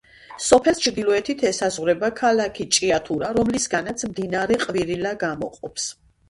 სოფელს ჩრდილოეთით ესაზღვრება ქალაქი ჭიათურა, რომლისგანაც მდინარე ყვირილა გამოყოფს.